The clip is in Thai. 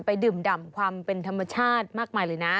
ดื่มดำความเป็นธรรมชาติมากมายเลยนะ